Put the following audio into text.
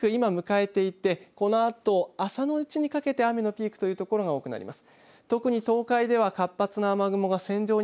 雨のピーク、今、向かえていてこのあと、朝のうちにかけて雨のピークという所が多くなります。